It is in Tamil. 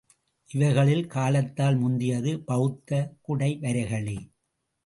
இவைகளில் காலத்தால் முந்தியது பௌத்த குடைவரைகளே.